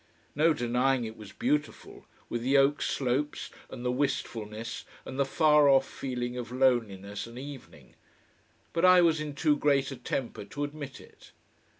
No denying it was beautiful, with the oak slopes and the wistfulness and the far off feeling of loneliness and evening. But I was in too great a temper to admit it.